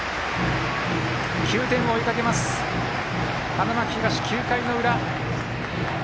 ９点を追いかけます、花巻東９回の裏。